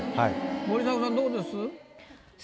森迫さんどうです？